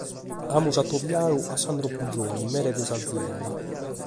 Amus atobiadu a Sandro Puggioni, mere de s'azienda.